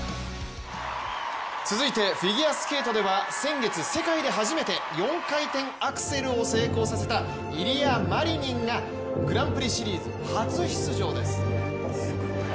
続いてフィギュアスケートでは先月、世界で初めて４回転アクセルを成功させたイリア・マリニンがグランプリシリーズ初出場です。